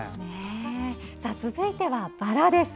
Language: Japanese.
続いては、バラです。